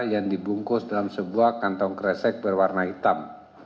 yang dibungkus dalam sebuah kantong kresek berwarna hitam